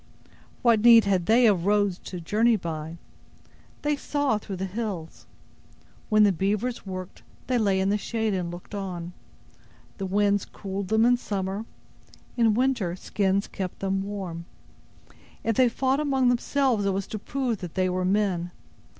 What need had they of roads to journey by! They saw through the hills! When the beavers worked, they lay in the shade, and looked on. The winds cooled them in summer; in winter, skins kept them warm. If they fought among themselves, it was to prove that they were men.